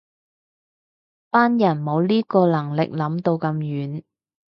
班人冇呢個能力諗到咁遠